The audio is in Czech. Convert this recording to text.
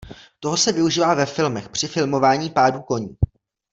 Toho se využívá ve filmech při filmování pádů koní.